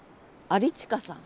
有近さん。